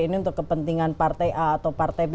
ini untuk kepentingan partai a atau partai b